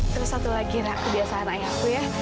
terus satu lagi kebiasaan ayahku ya